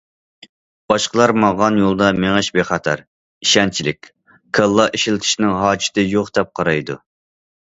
‹‹ باشقىلار ماڭغان يولدا مېڭىش بىخەتەر، ئىشەنچلىك، كاللا ئىشلىتىشنىڭ ھاجىتى يوق›› دەپ قارايدۇ.